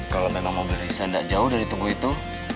kalau memang mobil risa gak jauh dari tubuh itu